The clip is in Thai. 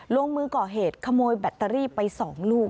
ลงมือก่อเหตุขโมยแบตเตอรี่ไป๒ลูก